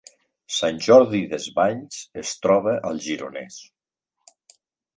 Sant Jordi Desvalls es troba al Gironès